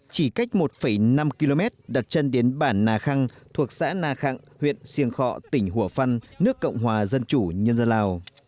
chỉ cách một năm km đặt chân đến bản nà khăng thuộc xã nà khăng huyện siêng khọ tỉnh hủa phân nước cộng hòa dân chủ nhân dân lào